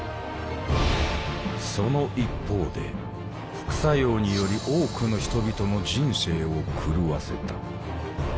その一方で副作用により多くの人々の人生を狂わせた。